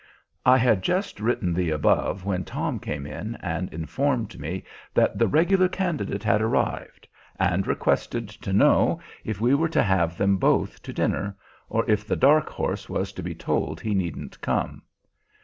I had just written the above when Tom came in and informed me that the "regular candidate had arrived," and requested to know if we were to have them both to dinner, or if the "dark horse" was to be told he needn't come.